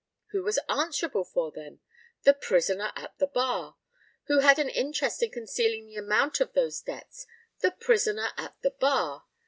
Who was answerable for them? The prisoner at the bar. Who had an interest in concealing the amount of those debts? The prisoner at the bar.